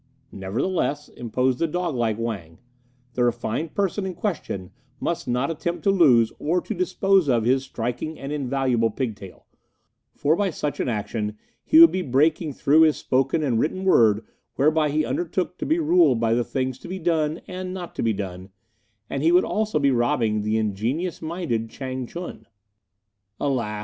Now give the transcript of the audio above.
"Nevertheless," interposed the dog like Wang, "the refined person in question must not attempt to lose or to dispose of his striking and invaluable pigtail; for by such an action he would be breaking through his spoken and written word whereby he undertook to be ruled by the things to be done and not to be done; and he would also be robbing the ingenious minded Chang ch'un." "Alas!"